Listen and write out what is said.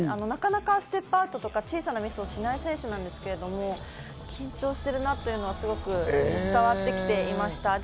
なかなかステップアウトや、小さなミスをしない選手なんですけれども、緊張しているなというのがすごく伝わってきていました。